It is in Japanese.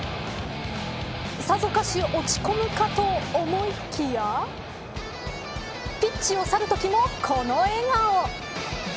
さぞかし落ち込むかと思いきやピッチを去るときもこの笑顔。